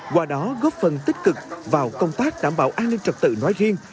qua đó góp phần tích cực vào công tác đảm bảo an ninh trật tự nói riêng